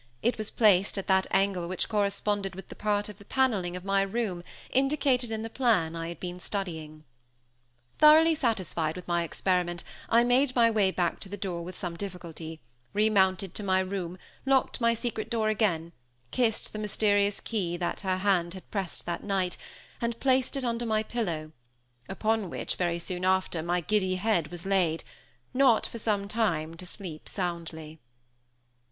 It was placed at that angle which corresponded with the part of the paneling of my room indicated in the plan I had been studying. Thoroughly satisfied with my experiment I made my way back to the door with some little difficulty, remounted to my room, locked my secret door again; kissed the mysterious key that her hand had pressed that night, and placed it under my pillow, upon which, very soon after, my giddy head was laid, not, for some time, to sleep soundly.